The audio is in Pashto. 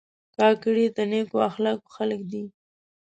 کاکړي د نیکو اخلاقو خلک دي.